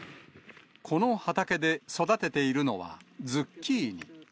この畑で育てているのはズッキーニ。